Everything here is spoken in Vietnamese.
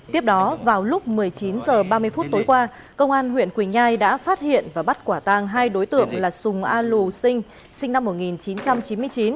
tiếp đó vào lúc một mươi chín h ba mươi phút tối qua công an huyện quỳnh nhai đã phát hiện và bắt quả tang hai đối tượng là sùng a lù sinh sinh năm một nghìn chín trăm chín mươi chín